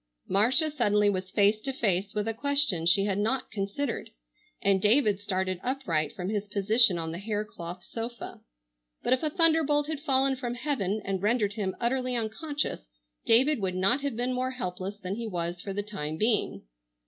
Marcia suddenly was face to face with a question she had not considered, and David started upright from his position on the hair cloth sofa. But if a thunderbolt had fallen from heaven and rendered him utterly unconscious David would not have been more helpless than he was for the time being.